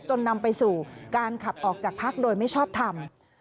นำไปสู่การขับออกจากพักโดยไม่ชอบทำ